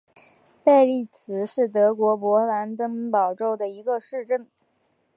贝利茨是德国勃兰登堡州的一个市镇。